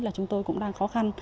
là chúng tôi cũng đang khó khăn